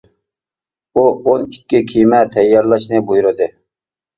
ئۇ ئون ئىككى كېمە تەييارلاشنى بۇيرۇدى.